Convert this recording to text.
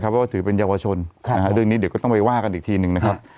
เพราะว่าถือเป็นเยาวชนเรื่องนี้เดี๋ยวก็ต้องไปว่ากันอีกทีหนึ่งนะครับ